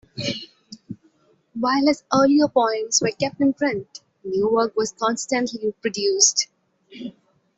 While his earlier poems were kept in print, new work was constantly produced.